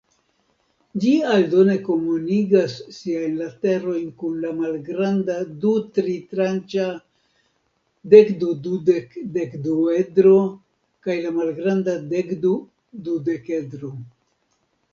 Ĝi aldone komunigas siajn laterojn kun la malgranda du-tritranĉa dekdu-dudek-dekduedro kaj la malgranda dekdu-dudekedro.